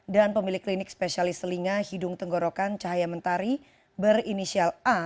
dan pemilik klinik spesialis selinga hidung tenggorokan cahaya mentari berinisial a